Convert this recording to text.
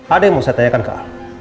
ada yang mau saya tanyakan ke